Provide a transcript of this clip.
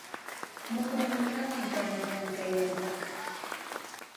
Mukunkunawan kana kan kay allpaka